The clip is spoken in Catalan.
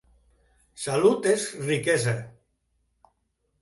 Salut és riquesa.